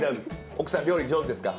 奥さん料理上手ですか？